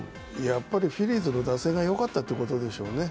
やっぱりフィリーズの打線がよかったということでしょうね。